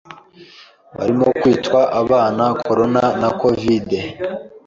barimo kwitwa abana Corona na Covid,